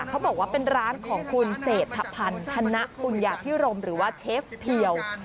เขาบอกว่าเป็นร้านของคุณเศรษฐพันธ์ธนปุญญาพิรมหรือว่าเชฟเพียว